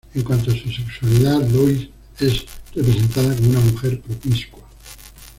En cuanto a su sexualidad, Lois es representada como una mujer promiscua.